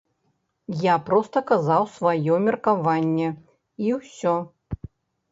Я проста казаў сваё меркаванне і ўсё.